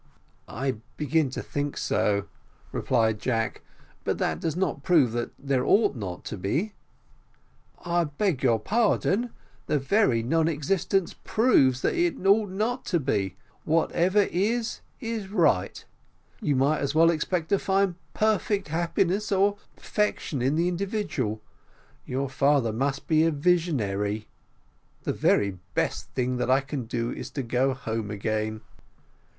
"I begin to think so," replied Jack; "but that does not prove that there ought not to be." "I beg your pardon; the very non existence proves that it ought not to be `whatever is, is right' you might as well expect to find perfect happiness or perfection in the individual. Your father must be a visionary." "The best thing that I can do is to go home again."